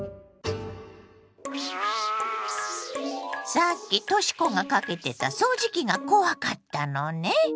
さっきとし子がかけてた掃除機が怖かったのね。